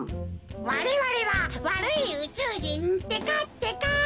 われわれはわるいうちゅうじんってかってか。